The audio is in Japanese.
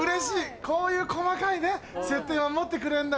こういう細かい設定をもってくれんのがね